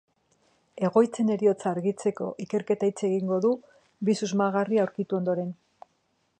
Egoitzen heriotza argitzeko ikerketa itxi egingo du bi susmagarri aurkitu ondoren.